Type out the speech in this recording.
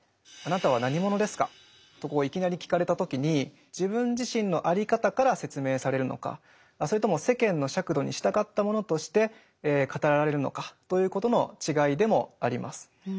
「あなたは何者ですか？」といきなり聞かれた時に自分自身のあり方から説明されるのかそれとも世間の尺度に従ったものとして語られるのかということの違いでもあります。